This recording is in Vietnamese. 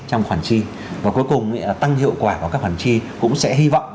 trong khoản trị và cuối cùng tăng hiệu quả của các khoản trị cũng sẽ hy vọng